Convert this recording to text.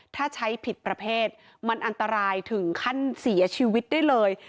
ถ้าใช้ผิดประเภทมันอันตรายถึงขั้นเสียชีวิตได้เลย